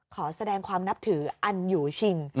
ขอแสดงความนับถืออันอยู่ชิง